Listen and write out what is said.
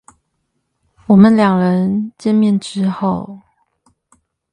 我們兩人見面之後